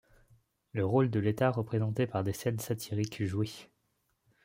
Le rôle de l'état représenté par des scènes satiriques jouées.